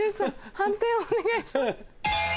判定お願いします。